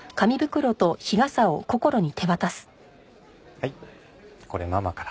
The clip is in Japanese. はいこれママから。